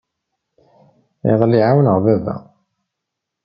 Iḍelli ɛawneɣ baba.